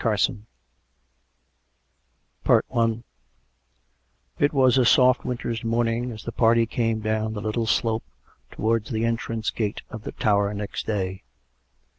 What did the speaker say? CHAPTER III It was a soft winter's morning as the party came down the little slope towards the entrance gate of the Tower next day.